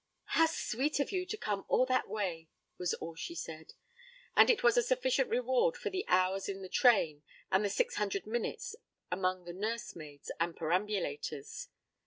'How sweet of you to come all that way,' was all she said, and it was a sufficient reward for the hours in the train and the six hundred minutes among the nursemaids and perambulators.